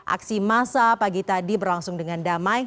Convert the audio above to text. aksi masa pagi tadi berlangsung dengan damai